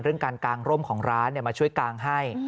เรื่องการกางร่มของร้านมาช่วยกางให้